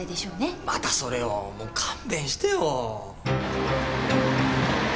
またそれをもう勘弁してよ！